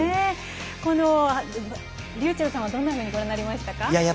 りゅうちぇるさんはどんなふうにご覧になりましたか。